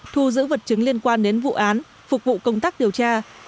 thu giữ vật chứng liên quan đến vụ án phục vụ công tác điều tra